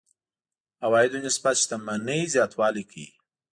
عوایدو نسبت شتمنۍ زياتوالی کوي.